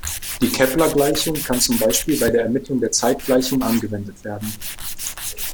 Die Kepler-Gleichung kann zum Beispiel bei der Ermittlung der Zeitgleichung angewendet werden.